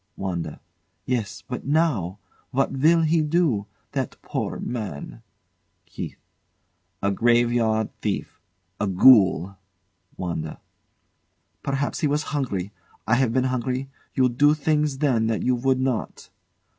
WANDA. Yes but now! What will he do? That poor man! KEITH. A graveyard thief a ghoul! WANDA. Perhaps he was hungry. I have been hungry: you do things then that you would not.